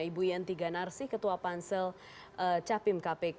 ibu yanti ganarsi ketua pansel capim kpk